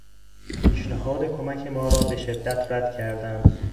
پیشنهاد کمک ما را به شدت رد کردند.